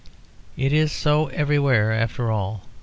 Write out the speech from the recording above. It is so everywhere, after all.